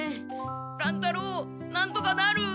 乱太郎なんとかなる？